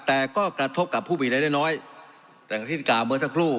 แต่ก็กระทบกับผู้มีรายได้น้อยอย่างที่กล่าวเมื่อสักครู่